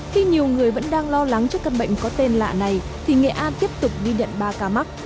khi nhiều người vẫn đang lo lắng cho căn bệnh có tên lạ này thì nghệ an tiếp tục ghi nhận ba ca mắc